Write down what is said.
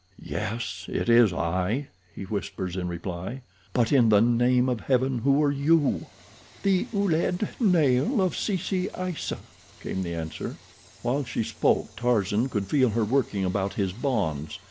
"Yes, it is I," he whispers in reply. "But in the name of Heaven who are you?" "The Ouled Nail of Sisi Aissa," came the answer. While she spoke Tarzan could feel her working about his bonds.